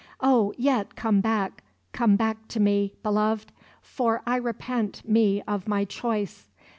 "Oh, yet come back, come back to me, beloved; for I repent me of my choice!